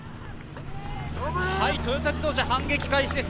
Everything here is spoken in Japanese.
トヨタ自動車、反撃開始です。